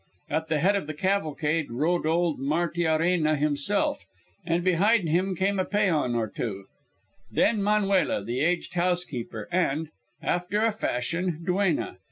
At the head of the cavalcade rode old Martiarena himself, and behind him came a peon or two, then Manuela, the aged housekeeper and after a fashion duenna.